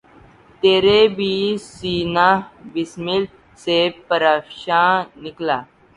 تیر بھی سینہٴ بسمل سے پرافشاں نکلا